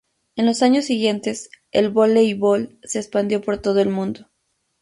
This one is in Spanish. En los años siguientes, el voleibol se expandió por todo el mundo.